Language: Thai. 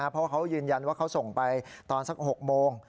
เพราะเขายืนยันว่าเขาส่งไปตอนสัก๖โมง